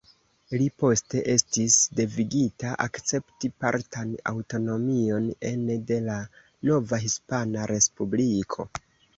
Li poste estis devigita akcepti partan aŭtonomion ene de la nova Hispana Respubliko.